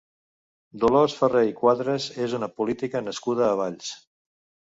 Dolors Farré i Cuadras és una política nascuda a Valls.